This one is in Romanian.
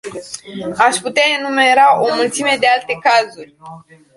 Aș putea enumera o mulțime de alte cazuri.